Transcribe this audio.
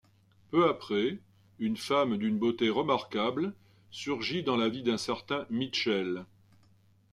Peu après, une femme d'une beauté remarquable surgit dans la vie d'un certain Mitchell.